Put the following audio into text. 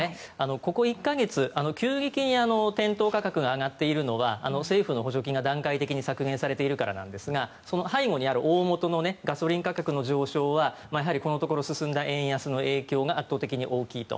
ここ１か月、急激に店頭価格が上がっているのは政府の補助金が段階的に削減されているからなんですがその背後にある大本のガソリン価格の上昇はこのところ進んだ円安の影響が圧倒的に大きいと